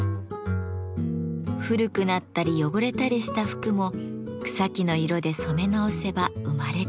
古くなったり汚れたりした服も草木の色で染め直せば生まれ変わる。